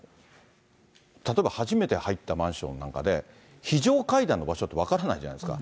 例えば初めて入ったマンションなんかで、非常階段の場所とか分からないじゃないですか。